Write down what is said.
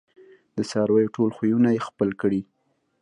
د څارویو ټول خویونه یې خپل کړي